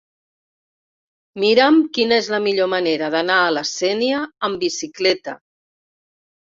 Mira'm quina és la millor manera d'anar a la Sénia amb bicicleta.